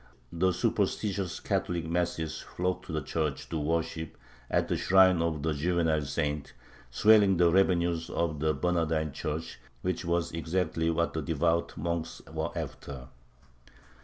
The superstitious Catholic masses flocked to the church to worship at the shrine of the juvenile saint, swelling the revenues of the Bernardine church which was exactly what the devout monks were after.